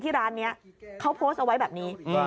ร้านนี้เขาโพสต์เอาไว้แบบนี้